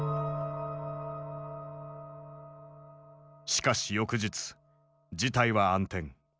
しかし翌日事態は暗転。